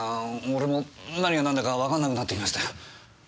俺もう何が何だかわかんなくなってきました。